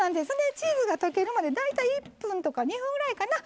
チーズが溶けるまで大体１分とか２分ぐらいかな。